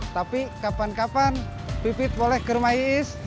tapi kapan kapan pipit boleh ke rumah iis